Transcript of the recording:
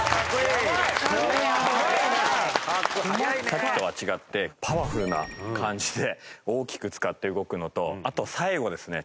さっきとは違ってパワフルな感じで大きく使って動くのとあと最後ですね。